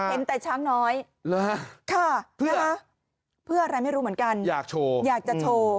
เห็นแต่ช้างน้อยค่ะเพื่ออะไรไม่รู้เหมือนกันอยากโชว์อยากจะโชว์